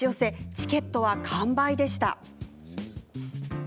チケットは完売でした。